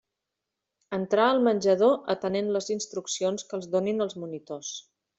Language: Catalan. Entrar al menjador atenent les instruccions que els donin els monitors.